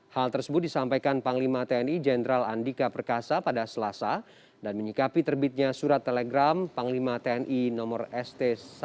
hal tersebut disampaikan panglima tni jenderal andika perkasa pada selasa dan menyikapi terbitnya surat telegram panglima tni nomor st seribu dua ratus dua puluh satu dua ribu dua puluh satu